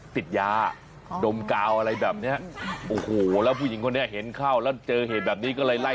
ติดยาดมคาวอะไรแบบนี้แล้วผู้หญิงเป็นเค้าแล้วเจอเหตุแบบนี้ก็หลายล่าย